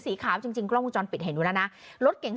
สีขาวจริงจริงกล้องปรุงจอนปิดเห็นอยู่แล้วน่ะนะรถเก๋ง